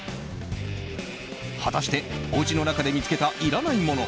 果たして、おうちの中で見つけたいらないもの